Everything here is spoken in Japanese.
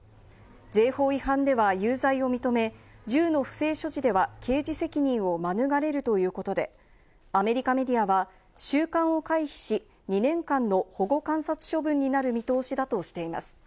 税法違反では有罪を認め、銃の不正処置では刑事責任を免れるということで、アメリカメディアは収監を回避し、２年間の保護観察処分になる見通しだとしています。